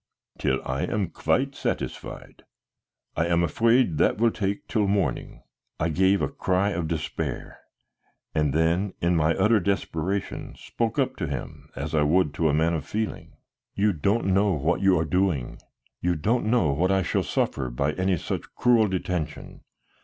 "Till I am quite satisfied. I am afraid that will take till morning." I gave a cry of despair, and then in my utter desperation spoke up to him as I would to a man of feeling: "You don't know what you are doing; you don't know what I shall suffer by any such cruel detention.